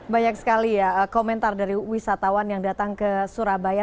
banyak sekali ya komentar dari wisatawan yang datang ke surabaya